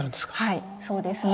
はいそうですね。